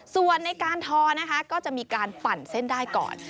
ส่วนในการทอนะคะก็จะมีการปั่นเส้นได้ก่อน